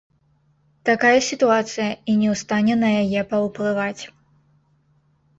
Такая сітуацыя, і не ў стане на яе паўплываць.